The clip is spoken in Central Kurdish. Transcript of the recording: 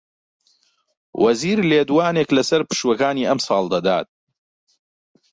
وەزیر لێدوانێک لەسەر پشووەکانی ئەمساڵ دەدات